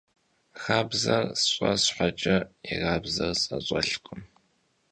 Xabzer sş'e şheç'e, yirabzer s'eş'elhkhım.